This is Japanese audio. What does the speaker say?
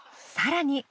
更に。